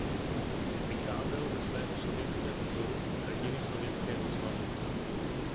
Vycházel ze svého sovětského vzoru Hrdiny Sovětského svazu.